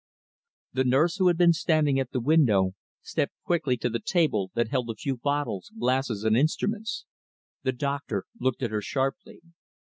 The nurse who had been standing at the window stepped quickly to the table that held a few bottles, glasses, and instruments. The doctor looked at her sharply.